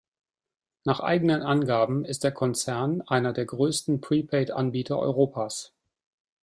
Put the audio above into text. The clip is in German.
Nach eigenen Angaben ist der Konzern einer der größten Prepaid-Anbieter Europas.